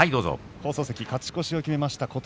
勝ち越しを決めました